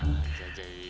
masih jadi duy